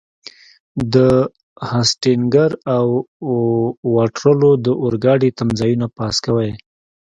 د هسټینګز او واټرلو د اورګاډي تمځایونه پاس کوئ.